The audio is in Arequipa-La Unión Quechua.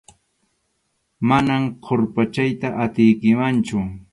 Manam qurpachayta atiykimanchu.